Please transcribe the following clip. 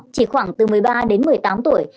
chỉ khoảng từ một mươi ba đến một mươi tám tuổi